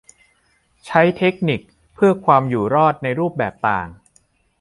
ใช้เทคนิคเพื่อความอยู่รอดในรูปแบบต่าง